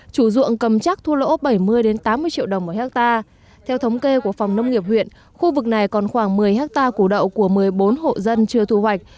chủ dụng cầm chắc thu lỗ bảy mươi tám mươi triệu đồng một hectare theo thống kê của phòng nông nghiệp huyện khu vực này còn khoảng một mươi hectare củ đậu của một mươi bốn hộ dân chưa thu hoạch